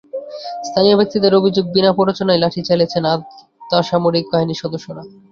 স্থানীয় ব্যক্তিদের অভিযোগ, বিনা প্ররোচনায় লাঠি চালিয়েছেন আধা সামরিক বাহিনীর সদস্যরা।